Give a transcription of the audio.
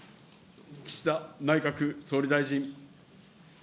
岸田内閣総理大臣。